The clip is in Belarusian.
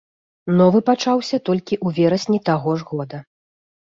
Новы пачаўся толькі ў верасні таго ж года.